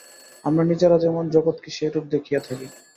আমরা নিজেরা যেমন, জগৎকেও সেইরূপ দেখিয়া থাকি।